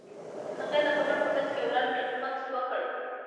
هغې د خبرو په منځ کې يو لنډ مکث وکړ.